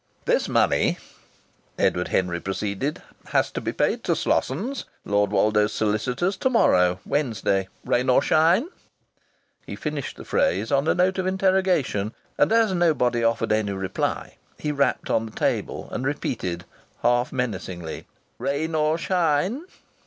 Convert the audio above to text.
"This money," Edward Henry proceeded, "has to be paid to Slossons, Lord Woldo's solicitors, to morrow, Wednesday, rain or shine?" He finished the phrase on a note of interrogation, and as nobody offered any reply, he rapped on the table, and repeated, half menacingly: "Rain or shine!"